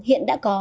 hiện đã có